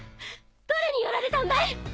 誰にやられたんだい？